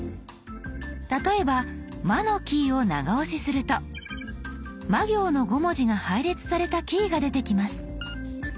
例えば「ま」のキーを長押しするとま行の５文字が配列されたキーが出てきます。